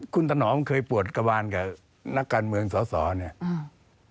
คุณถนอมเคยปวดกระวานกับนักการเมืองสอสอเนี่ยอ่า